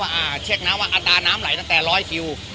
อ่าเช็คน้ำว่าอัตราน้ำไหลตั้งแต่ร้อยคิว